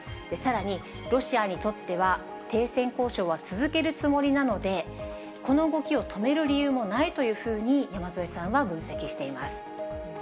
さらに、ロシアにとっては停戦交渉は続けるつもりなので、この動きを止める理由もないというふうに、山添さんは分析しています。